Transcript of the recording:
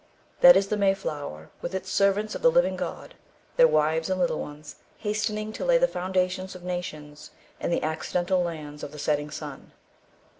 That is the May flower, with its servants of the living God, their wives and little ones, hastening to lay the foundations of nations in the accidental lands of the setting sun.